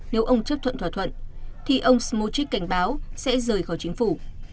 nếu ông chấp thuận thỏa thuận thì ông smochik cảnh báo sẽ rời khỏi chính phủ